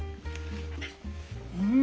うん！